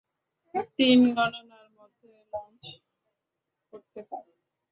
তিন গণনার মধ্যে লঞ্চ করতে পারো।